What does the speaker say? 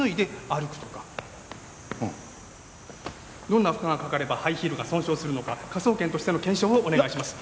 どんな負荷がかかればハイヒールが損傷するのか科捜研としての検証をお願いします。